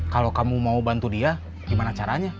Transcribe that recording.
kalau kamu mau bantu dia gimana caranya